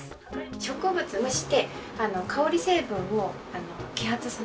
植物蒸して香り成分を揮発させて。